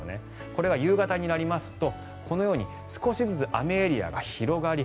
これは夕方になりますとこのように少しずつ雨エリアが広がり